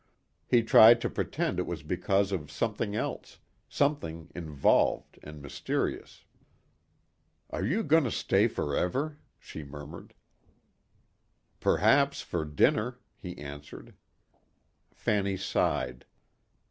He tried to pretend it was because of something else something involved and mysterious. "Are you going to stay forever," she murmured. "Perhaps for dinner," he answered. Fanny sighed.